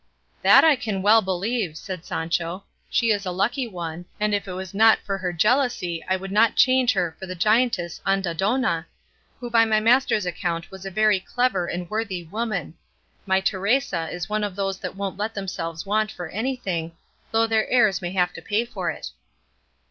"That I can well believe," said Sancho. "She is a lucky one, and if it was not for her jealousy I would not change her for the giantess Andandona, who by my master's account was a very clever and worthy woman; my Teresa is one of those that won't let themselves want for anything, though their heirs may have to pay for it."